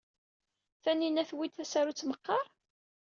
Taninna tewwi-d tasarut meqqar?